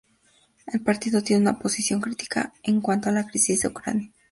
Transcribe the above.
El partido tiene una posición crítica en cuanto a la crisis de Ucrania.